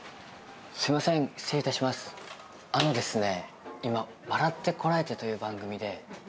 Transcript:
あのですね。